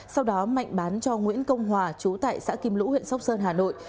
sau đó mạnh bán cho nguyễn công hòa chú tại xã kim lũ huyện sóc sơn hà nội